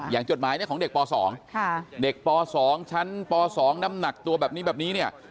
จดหมายเนี่ยของเด็กป๒เด็กป๒ชั้นป๒น้ำหนักตัวแบบนี้แบบนี้เนี่ย